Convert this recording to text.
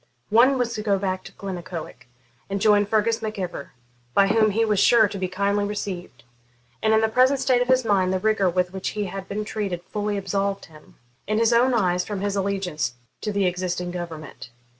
One was to go back to Glennaquoich and join Fergus Mac Ivor, by whom he was sure to be kindly received; and in the present state of his mind, the rigour with which he had been treated fully absolved him, in his own eyes, from his allegiance to the existing government.